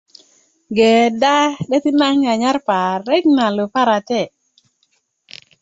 Geeda, 'döti' naaŋ nan nyanyar parik na luparate'